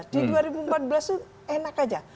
di dua ribu empat belas itu enak aja